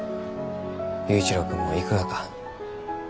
佑一郎君も行くがか。